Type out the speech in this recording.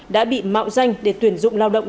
đã bị mạo danh để tuyển dụng lao động